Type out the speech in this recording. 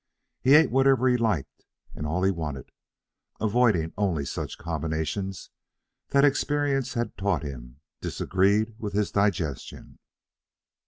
He ate whatever he liked, and all he wanted, avoiding only such combinations that experience had taught him disagreed with his digestion.